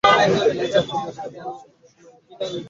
তিনি তাহার চক্ষু দিয়া নতুন মানব সমাজের বীজ বপন করেন।